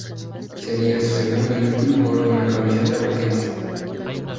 Sería su segundo y último gol con la camiseta boquense.